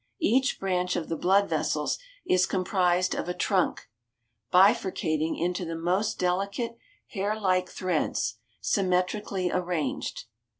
Each branch of the blood vessels is comprised of a trunk, bifurcating into the most delicate hair like threads, symmetrically arranged....